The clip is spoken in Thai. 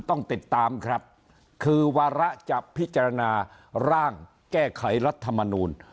ต้องติดตามครับคือวาระจะพิจารณาร่างแก้ไขรัฐมนูล